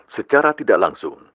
secara tidak langsung